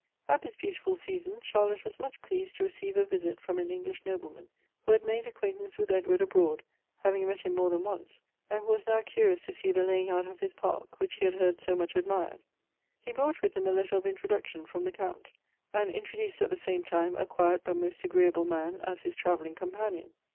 At this beautiful season, Charlotte was much pleased to receive a visit from an English nobleman, who had made acquaintance with Edward abroad, having met him more than once, and who was now curious to seethe la3'ing out of his park, which he had heard so much admired. He brought with him a letter of introduction from the Count, and introduced at the same time a quiet but most agreea ble man as his travelling companion.